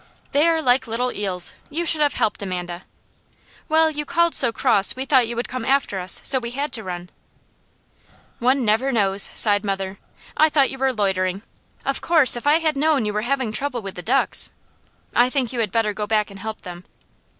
"They are like little eels. You should have helped Amanda." "Well, you called so cross we thought you would come after us, so we had to run." "One never knows," sighed mother. "I thought you were loitering. Of course if I had known you were having trouble with the ducks! I think you had better go back and help them."